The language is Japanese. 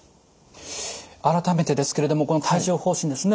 改めてですけれどもこの帯状ほう疹ですね